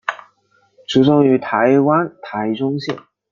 出生于台湾台中县。